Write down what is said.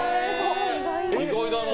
意外だな。